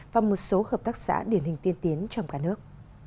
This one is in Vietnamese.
và một số hợp tác xã điển hình tiên tiến trong cả nước